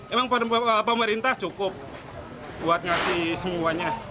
emang pemerintah cukup buat ngasih semuanya